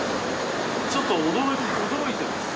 ちょっと驚いています。